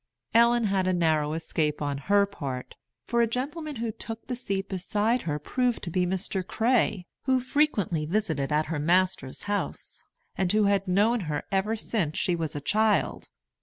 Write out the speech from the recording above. Ellen had a narrow escape on her part; for a gentleman who took the seat beside her proved to be Mr. Cray, who frequently visited at her master's house, and who had known her ever since she was a child.